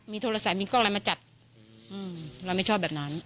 โทรศัพท์มีกล้องอะไรมาจัดเราไม่ชอบแบบนั้น